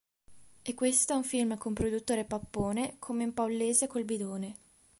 E questo è un film con produttore pappone, come in Paullese col bidone".